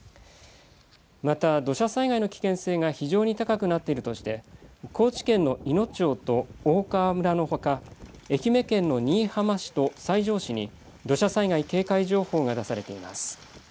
また、土砂災害の危険性が非常に高くなっているとして高知県のいの町と大川村のほか愛媛県の新居浜市と西条市に土砂災害警戒情報が出されます。